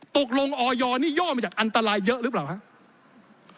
ตกลงออยนี่ย่อมาจากอันตรายเยอะหรือเปล่าครับ